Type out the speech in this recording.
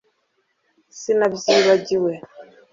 sinabyibagiwe